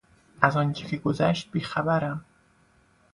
از آنچه که گذشت بیخبرم.